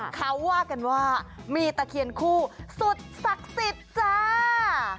เขาว่ากันว่ามีตะเคียนคู่สุดศักดิ์สิทธิ์จ้า